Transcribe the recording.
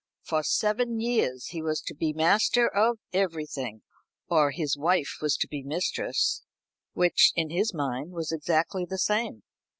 For seven years he was to be master of everything or his wife was to be mistress, which, in his mind, was exactly the same.